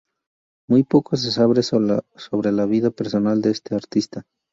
Muy poco se sabe sobre la vida personal de este artista.